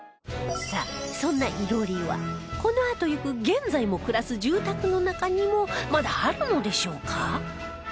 さあそんな囲炉裏はこのあと行く現在も暮らす住宅の中にもまだあるのでしょうか？